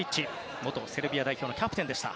元セルビア代表のキャプテンでした。